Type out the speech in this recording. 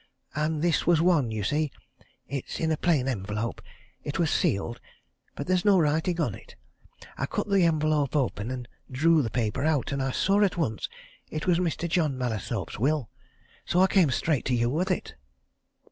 And this was one you see, it's in a plain envelope it was sealed, but there's no writing on it. I cut the envelope open, and drew the paper out, and I saw at once it was Mr. John Mallathorpe's will so I came straight to you with it."